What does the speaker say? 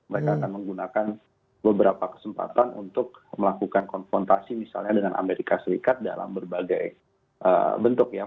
mereka akan menggunakan beberapa kesempatan untuk melakukan konfrontasi misalnya dengan amerika serikat dalam berbagai bentuk ya